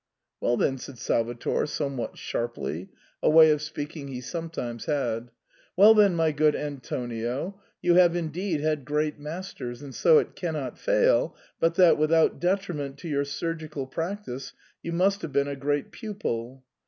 "Well then, said Salvator somewhat sharply, a way of speaking he sometimes had, well then, my good Antonio, you have indeed had great masters, and so it cannot fail but that, without detriment to your surgical practice, you must have been a great pupil.